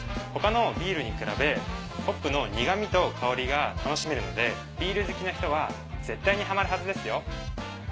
他のビールに比べホップの苦味と香りが楽しめるのでビール好きな人は絶対にハマるはずですよ。